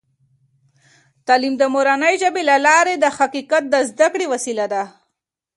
تعلیم د مورنۍ ژبې له لارې د حقیقت د زده کړې وسیله ده.